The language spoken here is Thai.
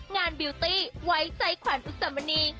งานบิวตี้ไว้ใจขวานอุษัมนีย์